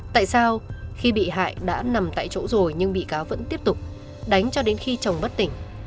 tại sao khi bị hại đã nằm tại chỗ rồi nhưng bị cáo vẫn tiếp tục đánh cho đến khi chồng bất tỉnh